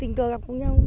tình cờ gặp cùng nhau